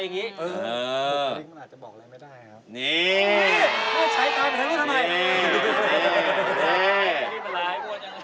อันนี้มีอะไรนี้เนี่ย